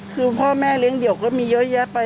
คนเดียวก็มีเยอะแยะไป